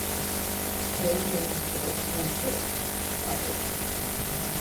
Craig labelled both candidates: "Others".